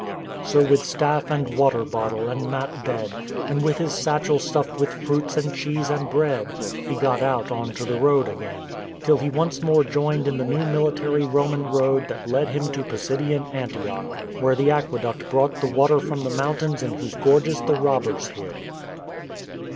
..." So with staff and water bottle and mat bed, and with his satchel stuffed with fruits and cheese and bread, he got out on to the road again, till he once more joined the new military Roman road that led him to Pisidian Antioch, where the aqueduct brought the water from the mountains in whose gorges the robbers hid.